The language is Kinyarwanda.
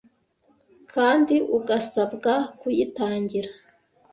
kandi ugasabwa kuyitangira